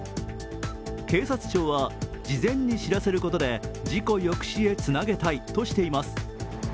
警察庁は、事前に知らせることで事故抑止へつなげたいとしています。